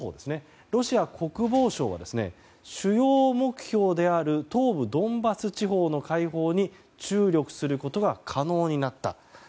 ロシア国防省は主要目標である東部ドンバス地方の解放に注力することが可能になった。